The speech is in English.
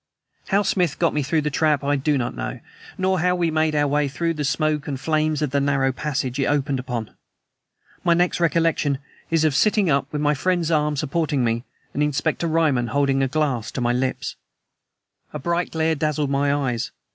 How Smith got me through the trap I do not know nor how we made our way through the smoke and flames of the narrow passage it opened upon. My next recollection is of sitting up, with my friend's arm supporting me and Inspector Ryman holding a glass to my lips. A bright glare dazzled my eyes.